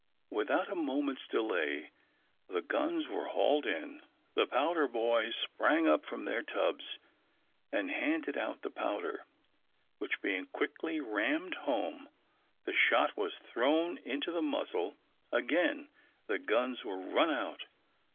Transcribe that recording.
Without a moment's delay the guns were hauled in. The powder boys sprang up from their tubs and handed out the powder, which being quickly rammed home, the shot was thrown into the muzzle. Again the guns were run out.